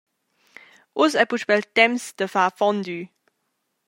Uss ei puspei il temps da far fondue.